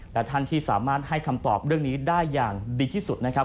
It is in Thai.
และท่านที่สามารถให้คำตอบเรื่องนี้ได้อย่างดีที่สุดนะครับ